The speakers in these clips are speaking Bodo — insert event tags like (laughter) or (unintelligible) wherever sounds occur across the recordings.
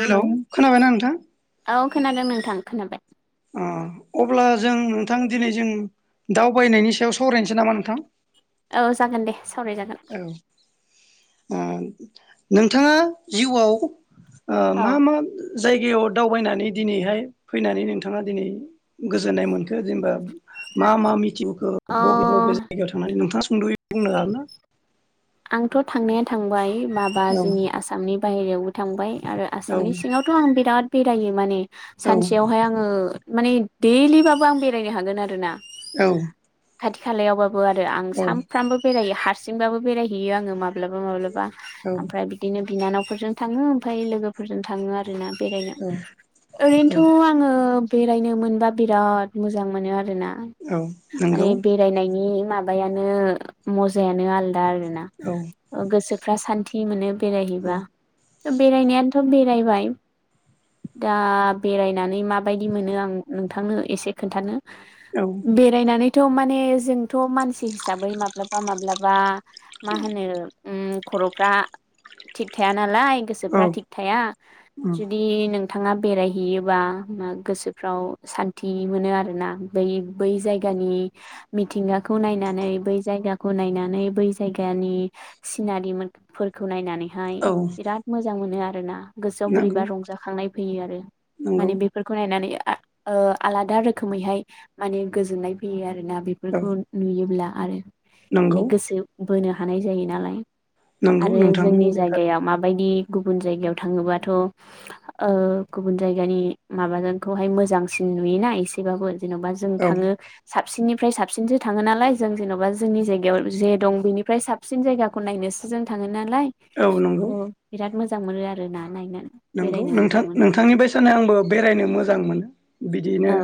हेलौ खोनाबायना नोंथां? औ खोनादों नोंथां खोनाबाय। ओ अब्ला जों नोंथां दिनै जों दावबायनायनि सायाव सावरायनोसै नामा नोंथां? औ जागोन दे। सावरायजागोन। औ ओ नोंथाङा जिउआव ओ औ मा मा जायगायाव दावबायनानै दिनैहाय फैनानै नोंथाङा दिनै गोजोननाय मोनखो जेनेबा मा मा मिथि ओ अ बबे बबे जायगायाव थांनानै नोंथाङा स सुंदयै बुंनो हागोन ना? आंथ थांनाया थांबाय माबा औ जोंनि आसामनि बाहेरायावबो थांबाय आरो औ आसामनि सिङावथ आं बिराद बेरायो माने औ सानसेयावहाय आङो माने देल्लिबाबो आं बेरायनो हागोन आरो ना औ । खाथि खालायावबाबो । आरो आं सामफ्राबो बेरायो हारसिंबाबो बेरायो हैयो आङो माब माब्लाबा माब्लाबा औ ओमफ्राय बिदिनो बिनानावफोरजों थाङो ओमफ्राय लोगोफोरजों थाङो आरो आरोना बेरायनो औ औ ओरैनोथ आङो बेरायनो मोनबा बिराद मोजां मोनो आरो आरोना औ नंगौ माने बेरायनायनि मबायानो मजायानो आलदा औ गोसोफ्रा सान्ति मोनो औ बेरायहैबा । बेरायनायानोथ बेरायबाय दा बेरायनानै माबायदि मोनो आं नोंथांनो एसे खोन्थानो । औ बेरायनानै थ माने जोंथ मानसि हिसाबै माब्लाबा माब्लाबा मा होनो ओम खरफ्रा थिग थाया नालाय गोसोफ्रा औ थिग थाया जुदि नों थाङा बेरायहैयोबा मा गोसोफ्राव सान्थि मोनो आरोना बै बै जायगानि मिथिंगाखौ नायनानै बै जायगाखौ नायनानै बै जायगानि सिनारिफोरखौ नायनानै हाय औ बिराद मोजां मोनो आरो रोना गोसोआव नंगौ बोरैबा रंजाखांनाय फैयो आरो । नंगौ माने बेफोरखौ नायनानै आ ओ आलादा रोखोमैहाय माने गोजोननाय फैयो आरो । ना औ बेफोरखौ नुयोब्ला आरो नंगौ नि गोसो बोनो हानाय जायो नालाय। नंगौ आरो नोंथांनि जोंनि बुंनाया जायगायाव थारैनो माबायदि गुबुन जायगायाव थाङोबाथ' ओ गुबुन जायगानि माबाजोंखौहाय मोजांसिन नुयोना एसेबाबो। जेन'बा जों औ थाङो साबसिननिफ्राय साबसिनसो थाङो नालाय जों जेन'बा जोंनि जायगायाव जे दं बेनिफ्राय साबसिन जायगाखौ नायनोसो जों थाङो। नालाय औ थ' नंगौ बिराद मोजां मोजां मोनो आरो ना नायनानै। नोंगौ बेरायनो नोंथां नोंथांनि बायसानो आंबो बेरायनो मोजां मोनो। बिदिनो औ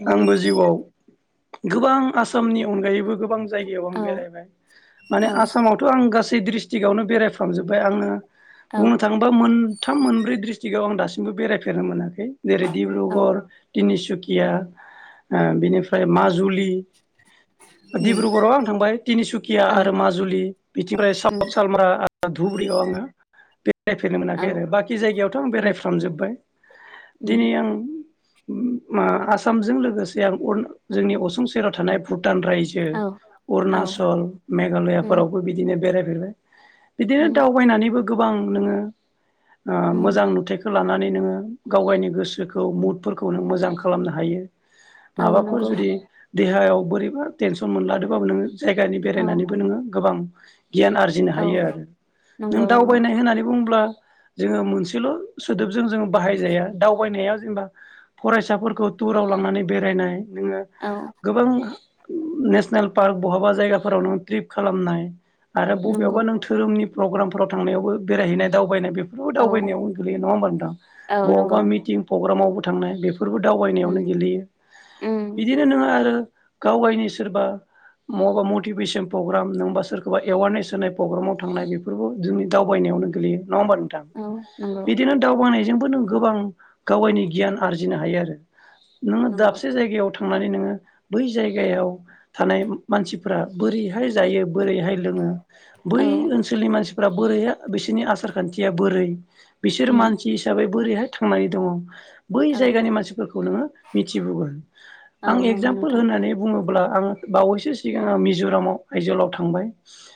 उम आंबो जिउआव गोबां आसामनि अनगायैबो गो बां जायगायाव आं औ बेरायबाय माने औ आसामावथ' आं गासै सै डिस्ट्रिक्आवनो बेरायफ्रामजोबबाय आङो। औ बुंनो थाङोबा मोन थाम मोनब्रै डिस्ट्रिक्टआव आं दासिमबो बेरायफेरनो मोनाखै। जेरै औ डिब्रुगड़ तीनिसु सुखिया ओ बिनिफ्राय माजुलि उम डिब्रुगड़आव आं थांबाय तिनिसुकिया औ आरो माजुलि बिनिफ्राय उम साउथ सालमारा आरो धुबुरियाव आङो बेरायफेरनो खै औ आरो बाखि जायगायावथ' आं उम बेरायफ्रामजोबबाय। उम दिनै आं उम आ आसामजों लोगोसे आं अरुना जोंनि असुं सेराव थानाय भु टान रायजो औ औ अरुणाचल उम मेघालयाफोरावबो बिदिनो बेराय (unintelligible) बिदिनो उम दावबायनानैबो गोबां नोङो ओ उम मोजां नुथायखौ खौ लानानै नोङो गाव गावनि गोसोखौ मुदफोरखौ नों मोजां खालामनो हायो। औ माबाफोर नंगौ जुदि देहायाव बोरैबा टेनसन मोनलादोंबाबो नोङो जायगानि औ बेरायनानैबो नोङो गोबां (unintelligible) गियान आरजिनो औ हायो आरो नों नंगौ नंगौ दावबायनाय होननानै बुंङोब्ला जोङो मोनसेल' सोदोब जों जों बाहाय जाया दावबायनाया जेनबा फरायसाफोरखौ टुराव लांनानै बेरायनाय नोङो औ गोबां नेसनेल पार्क बहाबा जायगाफोराव नों ट्रिप खालामनाय आरो नंगौ बबेयावबा नों धोरोमनि प्रग्रामफोराव थांनायावबो बेरायहैनाय दाव बायनाय बे फोरबो औ दावबायनायावनो गोलैयो नङा होमबा नोथां? औ बबावबा नंगौ मिटिं प्रग्रामावबो थांनाय बे फोरबो उम दावबायनायावनो गोलैयो उम बिदिनो नोङो आरो गाव गावनि सोरबा माबा मटिभेसन प्रग्राम नङबा सोरखौबा एवारनेस होनाय प्रग्रामाव थांनाय बेफोरबो जोंनि दावबायनायावनो गोगलैयो। नङ होमबा नोंथां? औ नंगौ बिदिनो दावबायनायजों नों गोबां गावगाइनि गियान आरजिनो हायो आरो नोङो नंगौ दाबसे जायगायाव थां नानै नोङो बै जायगायाव थानाय मानसिफोरा बोरैहाय जायो बोरैहाय लोङो औ बै ओनसोलनि मानसि बोरैहाय बिसोरनि आसार खान्थिया बोरै बिसोर उम मानसि हिसाबै बोरैहाय थांनानै दङ बै औ जायगानि मानसिफोरखौ नोङो मिथिबोगोन। औ आं नंगौ एगजामपोल नोंथां होनानै बुङोब्ला आं बावैसो सिगां आं मिज'रामाव आयजलाव थांबाय।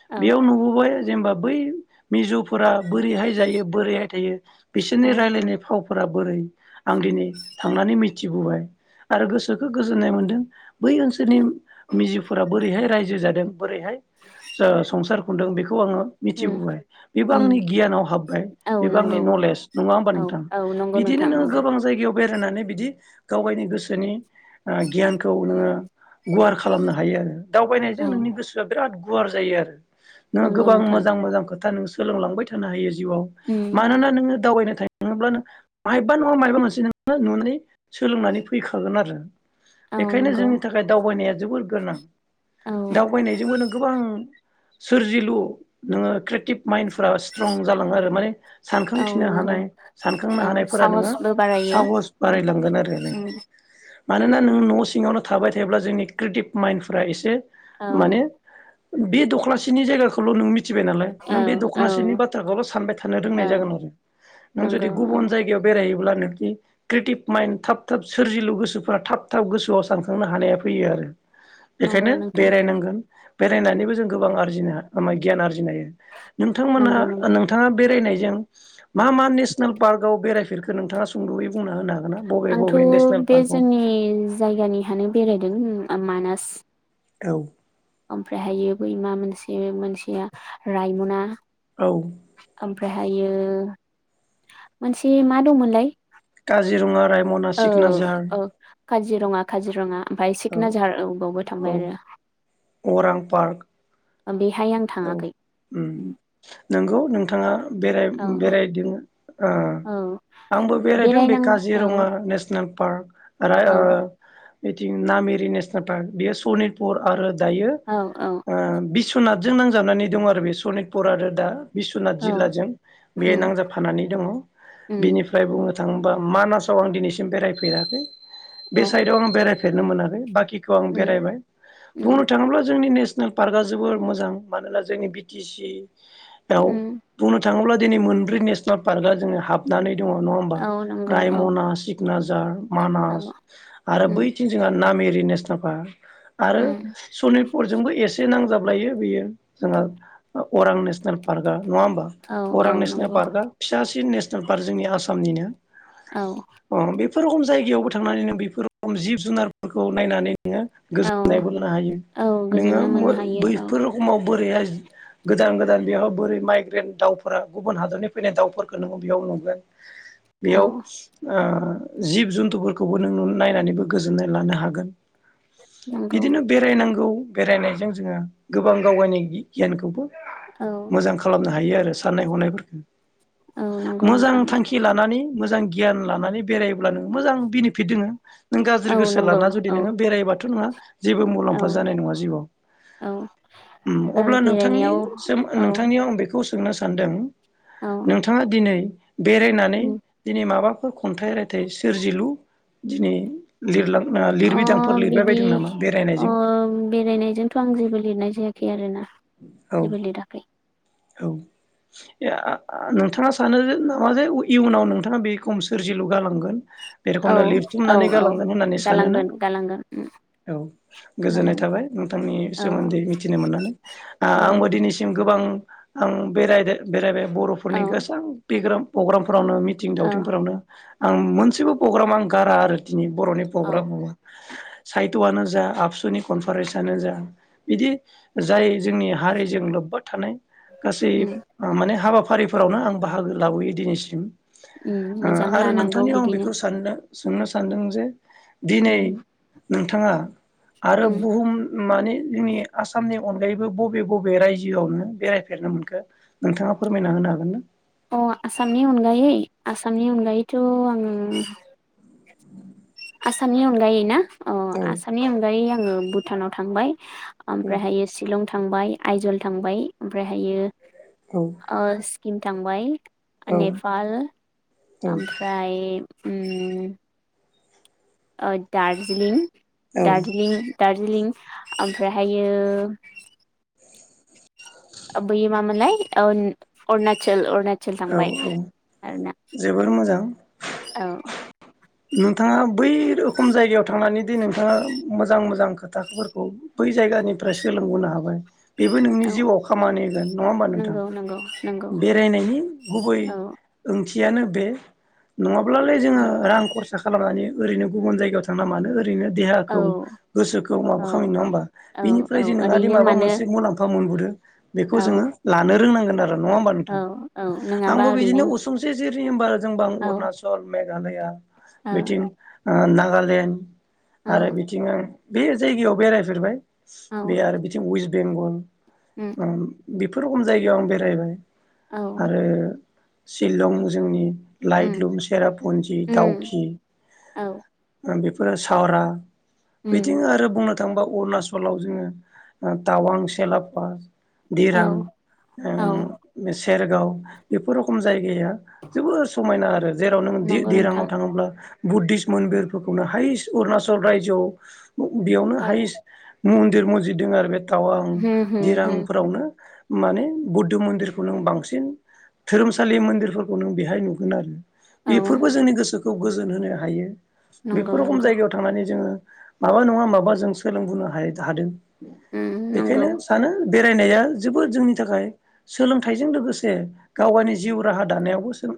औ बेयाव नुबोबाय जेनेबा बै मिजौफो बोरैहाय जायो बोरैहाय थायो औ बिसोरनि रायलायनाय फाव फोरा बोरै आं दिनै थांनानै मिथिबोबाय आरो गोसोखौ गोजोननाय मोनदों बै ओनसोलनि मिजिफोरा बोरैहाय रायजो जादों। बोरैहाय ओ संसार खुंदों बे खौ आङो उम मिथिबोबाय बेबो उम आंनि गियानाव हाब्बाय औ बेबो नंगौ आंनि नलेज। नङा होमबा औ नोंथा? औ नंगौ बिदिनो नोंथां नोङो नंगौ गोबां जायगायाव बेरायनानै बिदि गाव गावनि गोसोनि गियानखौ नोङो गुवार खालामनो हायो आरो औ दावबायनायजों नोंनि गोसोआ बिराद गुवार जायो आरो नोङो नंगौ गोबां नोंथां मोजां मोजां खोथ था नों सोलोंलांबाय था थानो हायो जिउआव उम मानोना नोङो दावबायनो थाङोब्ला नों मायबा नङा मायबा मोनसे नोङो नुनानै सोलोंनानै फैखागोन आरो औ बेखायनो नंगौ जोंनि थाखाय दावबायनाया जोबोर गोनां औ दावबायनायजोंबो नों गोबां सोरजिलु नोङो क्रियेटिभ माइनदफोरास स्ट्रं जालाङो आरो माने औ सानखांथिनो नंगौ हानाय सानखांनो औ हानायफोरा नोङो साहसबो बारायो साहस उम बारायलांगोन आरो नो मानोना नोंङो न' सिङावनो थाबाय थायोब्ला जोंनि क्रियेटिभ माइन्दफ्रा एसे औ माने बे दख्लासेनि जायगाखौल' नों मिथि थिबाय नालाय औ नों बे औ दख'नासेनि बाथ माबाल' सानबाय थानो औ रोंनाय जागोन आरो नों जुदि नंगौ औ गुबुन जायगायाव बेराय जायोब्ला नोंखि क्रियेटिभ माइड थाब थाब सोरजिलु गोसोफोरा थाब थाब गोसोआव सानखांनो हानाया फैयो आरो बेखायनो नंगौ नोंथां बेरायनांगोन बेरायनानैबो जों गोबां आरजिनो मा गियान आरजिनो आरजिनो हायो नोंथांमोना नंगौ नंगौ नोंथाङा बेरायनाय जों मा मा नेसनेल पार्कआव बेरायफेरखो नोंथाङा सुंद'यै बुंना होनो हागोन ना बबे आंथ' बबे नेसनेल बे पार्कआव जोंनि जायगानिहानो बेरायदों मानास औ ओमफ्रायहायो बै मा मोनसे मोनसेया रायमना औ ओमफ्रायहायो मोनसे मा दंमोनलाय काजिरङा रा औ औ काजिरङा काजिरङा ओमफ्राय औ सिखनाझार औ बेयावबो औ थांबाय आरो अरां पार्क ओम बे औ ओम नंगौ नोंथाङा औ बेराय-बेरायदिङो। ओ औ आंबो बेरायदों बे बेरायनां औ काजिरङा नेसनेल पार्क आरो औ ओ बिथिं नामेरि नेसनेल पार्क बेयो सनितपुर आरो दायो औ औ ओ बिस्वनाथ जों नांजाबनानै दं आरो बे सनितपुर आरो दा बिस्वनाथ औ जिल्लाजों बे उम नांजाबफानानै दङ उम बेनिफ्राय बुंनो थाङोबा मानासाव आं दिनैसिम बेरायफेराखै। बे औ साइडआव आं बेराय फेरनो मोनाखै बाखि खौ आं उम बेरायबाय बुंनो उम थाङोब्ला जोंनि नेसने नेल पार्कआ जोबोद मोजां। मानोना जोंनि बि टि सि याव उम बुंनो थाङोब्ला दिनै मोनब्रै नेसनेल पार्कआ जोङो हाबनानै दङ नङा होनबा औ नंगौ औ रायमना सिखनाझार औ मानास आरो उम बैथिं जोंहा नामेरि रि नेसनेल पार्क आरो उम सनितपुरजोंबो एसे नांजाब जाबलायो बेयो। जोंहा अरां नेसनेल पार्कआ नङा होमबा? औ औ अरां नेसनेल नंगौ पार्कआ फिसासिन नेसनेल नेसनेल पार्क जोंनि आसामनिनो औ अ बेफोर रोखोम जायगायावबो थांनानै नों बेफोर (unintelligible) जिब जुनारफोरखौ नायनानै नो औ गोजोननायबो मोननो हायो औ नोङो गोजोननो मोननो हायो बैफोर औ बोरैहाय गोदान गोदान बेयावहाय बोरै माइग्रेन दाउफोरा गुबुन हादरनि फैनाय दाउफोरखौ नोंङो बेयाव नुगोन। औ बेयाव ओ जिब जुन्थुफोरखौबो नों नायनानैबो गोजोननाय लानो हागोन। नंगौ बिदिनो बेरायनांगौ। बेरायनायजों जोङो गोबां गाव गावनि गियानखौबो औ मोजां खालामनो हायो आरो साननाय हनायफोरखौ औ नंगौ मोजां नोंथां थांखि लानानै मोजां गियान लानानै बेरायोब्ला नों मोजां बिनिफिट दोङो। नों औ गाज्रि गोसो नंगौ लाना जुदि औ नोङो बेरायबाथ' नोंहा जेबो औ मुलाम्फा जानाय नङा जिउआव। औ उ आरो अब्ला नोंथांनि बेरायनायाव (unintelligible) औ नोंथांनियाव आं बेखौ खौ सोंनो सानदों औ नोंथाङा दिनै बेरायनानै दिनै माबा फोर खन्थाइ रायथाइ सोरजिलु दिनै लिरलां ओ अ लिरबिदांफोर लिरबाय बिदि बायदों नामा अ बेरायनायजों बेरायनायजोंथ' आं जेबो लिरनाय जायाख खै आरो ना औ जेबो लिराखै। औ (unintelligible) नोंथाङा सानो जे नामा जे इयुनाव नोंथाङा बे (unintelligible) सोरजिलु गालांगोन बे औ रखमनो औ लिरथुमनानै औ गालांगोन होननानै सानोना गालांगोन गालांगोन उम औ गोजोननाय गालांगोन थाबाय नोंथांनि औ सोमोन्दै मिथिनो मोननानै औ आंबो दिनैसिम गोबां आं बेरायदे बेरायबाय बर'फोरनि औ गोसां बिग्राम अग्राम फोरावनो मिथिं औ दावथिंफोरावनो आं मोनसेबो प्रग्राम आं गारा आरोखि जोंनि बर'नि औ प्रग्राम उ साहित्यआनो जा आबसुनि कनफारेन्सआनो जा इदि जाय जोंनि हारिजों लोब्बा थानाय गासै उम माने हाबा फारिफोरावनो आं बाहागो लाबोयो दिनैसिम। उम ओ मोजां आरो लानांगौ नोंथांनियाव आं बिदिनो बेखौ साननो सोंनो सानदों जे दिनै उम नोंथाङा आरो उम बुहुम माने जोंनि आसामनि अनगायैबो बबे बबे रायजोआवनो बेराय फेरनो मोनखो नोंथाङा फोरमायना होनो हागोन ना? अ आसामनि अनगायै आसामनि अनगायैथ' आंङो आसामनि अनगायै ना? अ औ आसामनि अनगायै आं ओ भुटानाव थांबाय। ओमफ्रायहायो शिलं थांबाय आइजल थांबाय ओमफ्रायहायो औ ओ सिकिम थांबाय। औ नेपाल ओमफ्राय उम ओ दार्जिलिं औ दार्जिलिं दार्जिलिं ओमफ्रायहायो बैयो मामोनलाय ओ अरुणचल अुरुना सोल औ थांबाय औ आरोना जोबोर मोजां औ। नोंथाङा बै रोखोम जायगायाव थांनानै दि नोंथाङा मोजां मोजां खोथाफोरखौ बै जायगानिफ्राय सोलोंबोनो हाबाय। बेबो नोंनि औ जिउआव खामानि होगोन नङा होमबा नोंथां। नंगौ नंगौ नंगौ बेरायनायनि गुबै ओ औ ओंथियानो बे नङाब्लालाय जोङो औ रां खरसा खालामनानै ओरैनो गुबुन जायगायाव थांना मानो ओरैनो औ देहाखौ गोसोखौ माबा औ खालाम नङा होमबा औ बिनिफ्राय जे नोङादे ओरैनो माबा मानो मोनसे मुलाम्फा मोन (unintelligible) बेखौ औ जोङो लानो रोंनांगोन। नङाहोनबा औ नोंथां औ नङाबा आंबो ओरैनो बिदिनो उसुंसे (unintelligible) होनबा औ अरुणाचल मेघालया औ बेथिं ओ ना नागालेण्ड औ आरो बिथिंहाय बे जायगायाव बेरायफेरबाय औ । बे आरो बेथिं उयस बेंगल उम ओम बि फोर रख'म जायगायाव आं बेरायबाय ‌। औ आरो शिलं जोंनि उम लाइट लुम सेरापुन्जि उम दावखि औ ओम बेफ फोर सावरा बिथिं उम आरो बुंनो थांबा अरुणाचलाव जोङो ओ टावां सेलापा औ दिरां औ ओं सेरगाव बेफोर रखम जायगाया जोबोद समायना आरो जेराव नों नंगौ नोंथां दि-दिराङाव थाङोब्ला बुद्धिस मन बिरफोरखौनो हायेस अरुणाचल राज्योआव बाव बेयावनो औ हायेस मन्दिर मजिद दों आरो बे टावां होम होम होम दिरांफोरावनो माने बुद्ध मन्दिर खौ नों बांसिन धोरोमसालि मोन्दिरफोरखौ नों बेहाय नुगोन आरो औ बेफोरबो जोंनि गोसो खौ गोजोन होनो हायो । नंगौ बेफोर र'खम नंगौ जायगायाव थांनानै जोङो माबा नङा माबा जों सोलोंबोनो हायेद हादों उम । नंगौ बेखायनो सानो बेरायनाया जोबोद जोंनि थाखाय सोलोंथाइजों लोगोसे गावगायनि जिउ राहा दानायावबो सों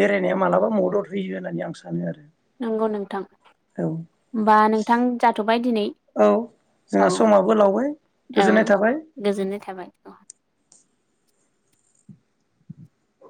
बेरायनाया मालाबा मदद होयो होननानै आं सानो आरो नंगौ नोंथां औ होमबा नोंथां जाथ'बाय दिनै । औ जोंहा समाबो लावबाय औ गोजोननाय थाबाय गोजोननाय थाबाय औ ।